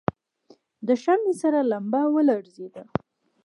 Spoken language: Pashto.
د شمعې سره لمبه ولړزېده.